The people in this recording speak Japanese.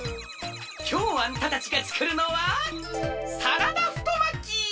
きょうあんたたちがつくるのはサラダ太巻き！